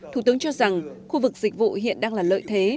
thủ tướng cho rằng khu vực dịch vụ hiện đang là lợi thế